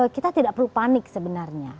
kita tidak perlu panik sebenarnya